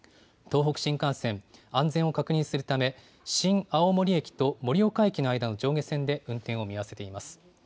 東北新幹線、安全を確認するため、新青森駅と盛岡駅の間の上下線で運転を見合わせています。